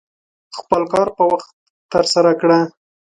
خپل کار په وخت ترسره کړه.